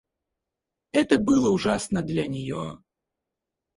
Это было ужасно для нее.